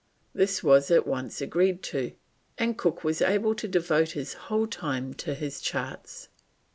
This was at once agreed to, and Cook was able to devote his whole time to his charts.